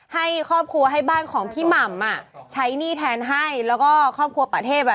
ให้ครอบครัวให้บ้านของพี่หม่ำอ่ะใช้หนี้แทนให้แล้วก็ครอบครัวปะเทพอ่ะ